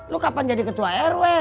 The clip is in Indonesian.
lu kapan jadi ketua rw